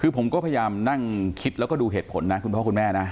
คือผมก็พยายามนั่งคิดแล้วก็ดูเหตุผลนะคุณพ่อคุณแม่นะ